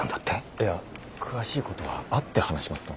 いや詳しいことは会って話しますと。